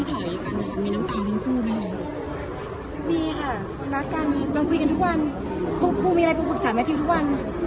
ทุกวันซี่งเดียวที่ไม่ได้คือบทสัมภาษณ์